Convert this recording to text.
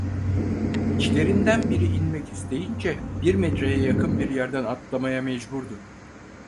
İçlerinden biri inmek isteyince, bir metreye yakın bir yerden atlamaya mecburdu.